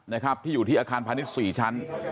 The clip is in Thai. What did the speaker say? นะครับที่อยู่ที่อาคารพาณิชย์๔ชั้น